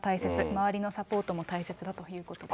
周りのサポートも大切だということです。